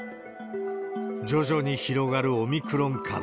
徐々に広がるオミクロン株。